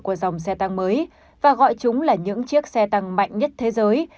của dòng xe tăng mới và gọi chúng là những chiếc xe tăng mạnh nhất thế giới